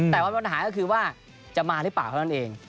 แต่ว่าเป็นปัญหาคือว่าจะมาหรือเปล่านั้นเอง